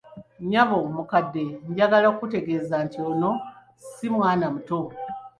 Nyabo mukadde, njagala okukutegeeza nti ono ssi mwana muto.